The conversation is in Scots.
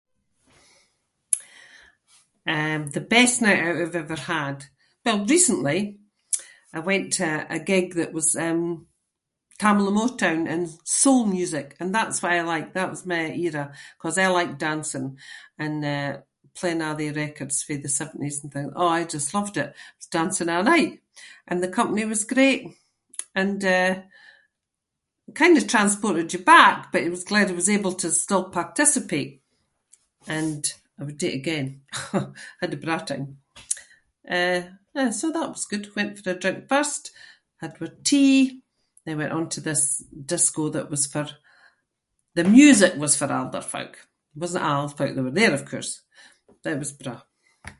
Eh, the best night out I’ve ever had? Well recently, I went to a- a gig that was um, Tamla Motown and soul music and that’s what I like. That was my era, ‘cause I like dancing and, eh, playing a’ they records fae the seventies and thing- oh I just loved it. I was dancing a’ night and the company was great and, eh, kinda transported you back but I was glad I was able to still participate and I would do it again. I had a braw time. Eh, yeah, so that was good- went for a drink first, had wir tea, then went on to this disco that was for- the music was for older folk. It wasn’t old folk that were there of course, but it was braw.